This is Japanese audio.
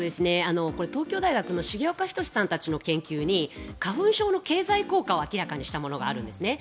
これ、東京大学の研究に花粉症の経済効果を明らかにしたものがあるんですね。